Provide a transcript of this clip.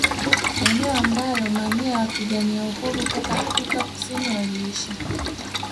Eneo ambalo mamia ya wapigania uhuru toka Afrika Kusini waliishi